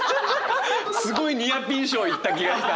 すごいニアピン賞いった気がした。